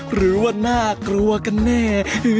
หรือว่าน่ากลัวกันแน่